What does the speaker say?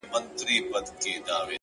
هوښیار فکر راتلونکی اټکلوي؛